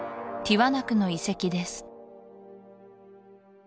ティワナクの遺跡です